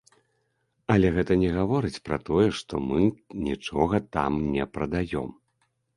Але гэта не гаворыць пра тое, што мы нічога там не прадаём.